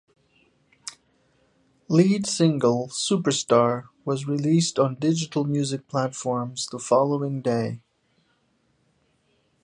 Lead single "Superstar" was released on digital music platforms the following day.